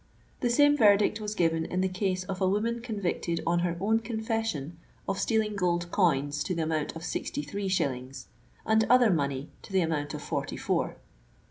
The same verdict was given in the case of a woman convicted on her own confession of stealing gold coins to the amount of sixty three shillings, and other money to the amount of forty four.